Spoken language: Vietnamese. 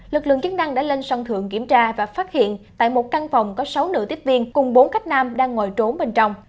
lực lượng chức năng đã lên sân thượng kiểm tra và phát hiện tại một căn phòng có sáu nữ tiếp viên cùng bốn khách nam đang ngồi trốn bên trong